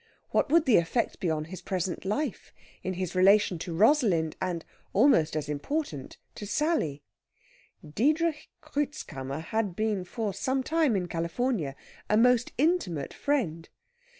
what would the effect be on his present life, in his relation to Rosalind and (almost as important) to Sally? Diedrich Kreutzkammer had been, for some time in California, a most intimate friend.